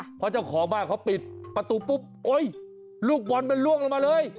เพราะเจ้าของบ้านเขาปิดประตูปุ๊บโอ๊ยลูกบอลมันล่วงลงมาเลย